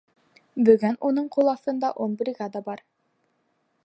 Бөгөн уның ҡул аҫтында ун бригада бар.